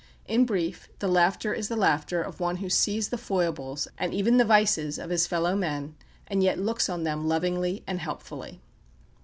In brief, the laughter is the laughter of one who sees the foibles, and even the vices of his fellow men, and yet looks on them lovingly and helpfully.